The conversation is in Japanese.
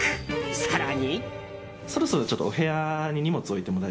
更に。